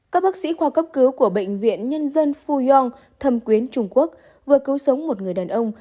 các bác sĩ khoa cấp cứu của bệnh viện nhân dân phu yong thâm quyến trung quốc vừa cứu sống một người đàn ông